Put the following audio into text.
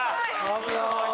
危ない。